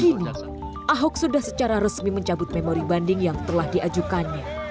kini ahok sudah secara resmi mencabut memori banding yang telah diajukannya